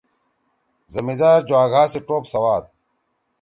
زمیدار جوا گھا سی ٹوپ سواد۔